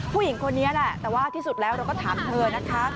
ผู้หญิงคนนี้แหละแต่ว่าที่สุดแล้วเราก็ถามเธอนะคะ